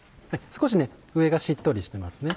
少し上がしっとりしてますね